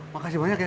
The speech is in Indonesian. makasih banyak ya